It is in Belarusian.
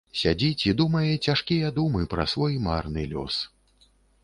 Сядзіць і думае цяжкія думы пра свой марны лёс.